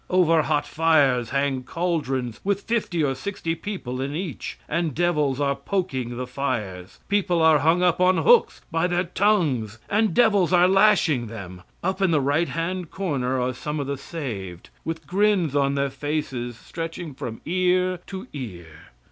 Over hot fires hang caldrons with fifty or sixty people in each, and devils are poking the fires. People are hung up on hooks by their tongues, and devils are lashing them. Up in the right hand corner are some of the saved, with grins on their faces stretching from ear to ear.